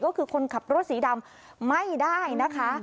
ก็คือคนขับรถสีดำไม่ได้นะคะ